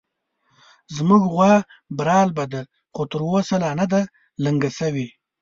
زموږ غوا برالبه ده، خو تر اوسه لا نه ده لنګه شوې